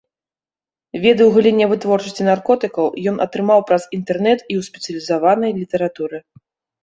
Веды ў галіне вытворчасці наркотыкаў ён атрымаў праз інтэрнэт і ў спецыялізаванай літаратуры.